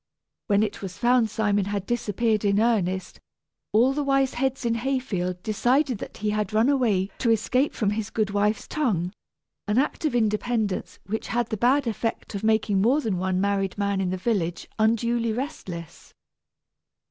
When it was found Simon had disappeared in earnest, all the wise heads in Hayfield decided that he had run away to escape from his good wife's tongue, an act of independence which had the bad effect of making more than one married man in the village unduly restless.